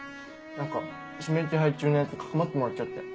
何か指名手配中のヤツかくまってもらっちゃって。